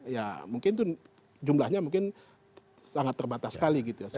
ya mungkin itu jumlahnya mungkin sangat terbatas sekali gitu ya